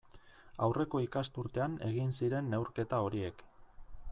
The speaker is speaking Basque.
Aurreko ikasturtean egin ziren neurketa horiek.